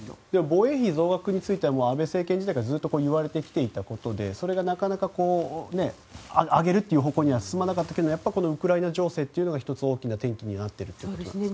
防衛費増額については安倍政権時代からいわれてきたことでそれがなかなか上げる方向には進まなかったけどやっぱりこのウクライナ情勢というのが１つ大きな転機になっているということですね。